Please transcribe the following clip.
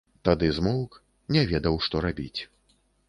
Тады змоўк, не ведаў, што рабіць.